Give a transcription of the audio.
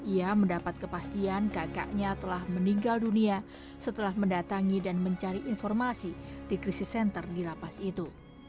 ia mendapat kepastian kakaknya telah meninggal dunia setelah mendatangi dan mencari informasi di krisis center di lapas itu